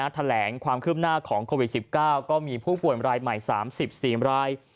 แถลงความคืบหน้าของโควิด๑๙ก็มีผู้ป่วยรายใหม่๓๔ราย